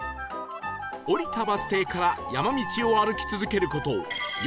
降りたバス停から山道を歩き続ける事 ４．１ キロ